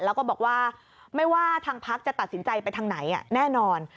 แล้วก็บอกว่าไม่ว่าทางภักรประชาธิปัตย์จะตัดสินใจไปทางไหนแน่นอน